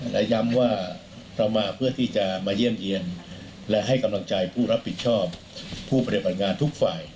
และย้ำว่าเรามาเพื่อที่จะมาเยี่ยมเยี่ยนและให้กำลังใจผู้รับผิดชอบผู้ปฏิบัติงานทุกฝ่าย